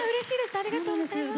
ありがとうございます。